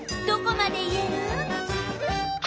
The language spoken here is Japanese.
どこまで言える？